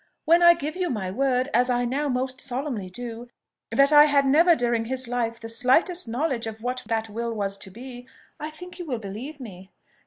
When I give you my word, as I now most solemnly do, that I had never during his life the slightest knowledge of what that will was to be, I think you will believe me."